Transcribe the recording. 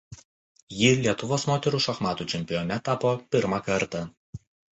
Ji Lietuvos moterų šachmatų čempione tapo pirmą kartą.